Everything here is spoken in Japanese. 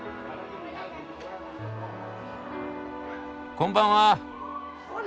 こんばんは。